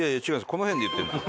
この辺で言ってるんです。